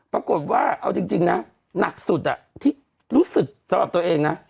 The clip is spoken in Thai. ปรากฏว่าเอาจริงนะหนักสุดที่รู้สึกสำหรับตัวเองนะ